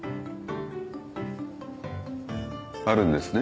あるんですね。